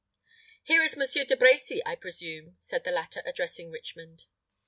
"Here is Monsieur De Brecy, I presume," said the latter, addressing Richmond.